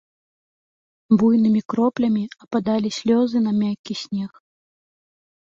Буйнымі кроплямі ападалі слёзы на мяккі снег.